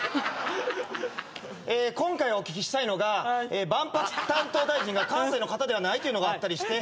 今回お聞きしたいのが万博担当大臣が関西の方ではないっていうのがあったりして。